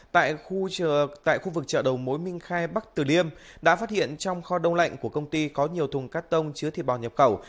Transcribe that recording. tại khu vực chợ đầu mối minh khai bắc từ liêm đã phát hiện trong kho đông lạnh của công ty có nhiều thùng cắt tông chứa thịt bò nhập khẩu